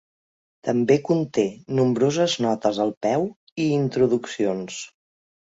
També conté nombroses notes al peu i introduccions.